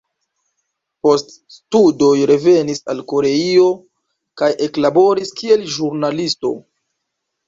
Post studoj revenis al Koreio kaj eklaboris kiel ĵurnalisto.